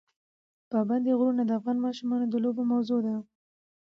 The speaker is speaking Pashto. پابندی غرونه د افغان ماشومانو د لوبو موضوع ده.